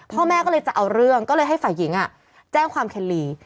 พ่อแม่ก็เลยจะเอาเรื่องก็เลยให้ฝ่ายหญิงแจ้งความเคนลี